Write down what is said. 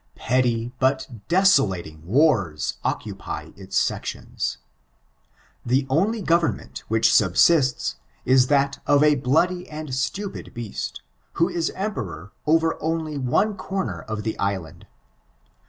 Petty bat desolating wars oeoapy its sections. The only government which snbsistik is that of a bloody and stupid beast, who is emperor over one comer of the island.